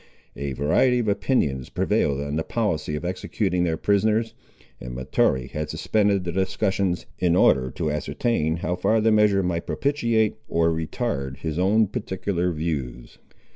A variety of opinions prevailed on the policy of executing their prisoners; and Mahtoree had suspended the discussions, in order to ascertain how far the measure might propitiate, or retard, his own particular views.